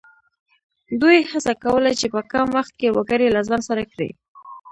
دوی هڅه کوله چې په کم وخت کې وګړي له ځان سره کړي.